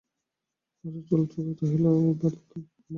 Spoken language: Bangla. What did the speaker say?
আশা ছল-ছল চোখে কহিল, এবারকার মতো আমাকে মাপ করো।